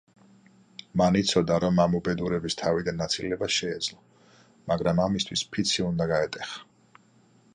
მან იცოდა, რომ ამ უბედურების თავიდან აცილება შეეძლო, მაგრამ ამისთვის ფიცი უნდა გაეტეხა.